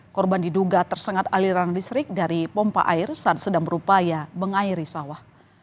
korban diduga tersengat aliran listrik dari pompa air saat sedang berupaya mengairi sawah